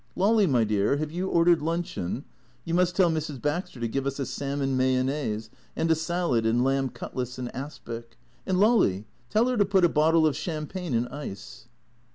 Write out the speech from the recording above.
" Lolly, my dear, have you ordered luncheon ?— You must tell Mrs. Baxter to give us a salmon mayonnaise, and a salad and lamb cutlets in aspic. And, Lolly ! Tell her to put a bottle of champagne in ice."